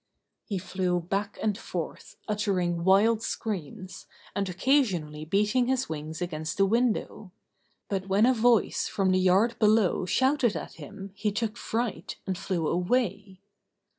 He flew back and forth, uttering wild screams, and occasionally beating his wings against the window; but when a voice from the yard below shouted at him he took fright, and flew away.